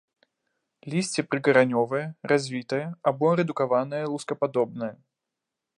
Лісце прыкаранёвае, развітае або рэдукаванае лускападобнае.